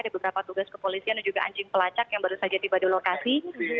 ada beberapa tugas kepolisian dan juga anjing pelacak yang baru saja tiba di lokasi